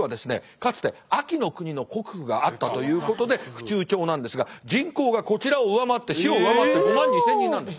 かつて安芸国の国府があったということで府中町なんですが人口がこちらを上回って市を上回って５万２，０００人なんです。